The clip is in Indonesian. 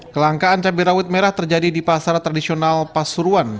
kelangkaan cabai rawit merah terjadi di pasar tradisional pasuruan